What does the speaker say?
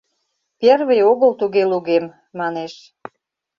— Первый огыл туге лугем, манеш.